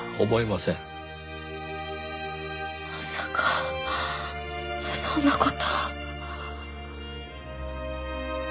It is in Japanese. まさかそんな事。